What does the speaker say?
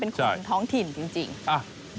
ต้องชำนาญมากนะเป็นคนท้องถิ่นจริง